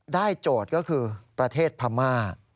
โจทย์ก็คือประเทศพม่า